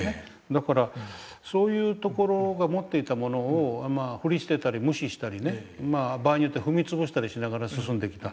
だからそういうところが持っていたものを振り捨てたり無視したりね場合によっては踏み潰したりしながら進んできた。